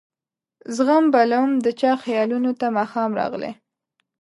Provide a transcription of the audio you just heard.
زخم بلوم د چا خیالونو ته ماښام راغلي